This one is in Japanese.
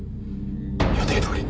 予定どおりに。